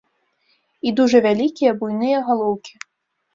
І дужа вялікія, буйныя галоўкі.